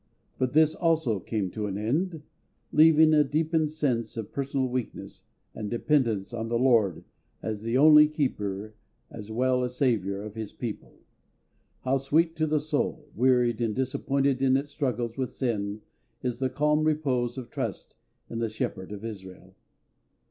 But this also came to an end, leaving a deepened sense of personal weakness and dependence on the LORD as the only KEEPER as well as SAVIOUR of His people. How sweet to the soul, wearied and disappointed in its struggles with sin, is the calm repose of trust in the SHEPHERD of Israel.